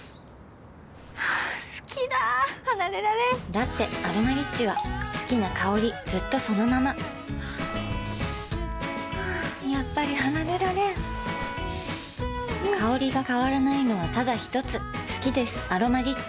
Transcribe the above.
好きだ離れられんだって「アロマリッチ」は好きな香りずっとそのままやっぱり離れられん香りが変わらないのはただひとつ好きです「アロマリッチ」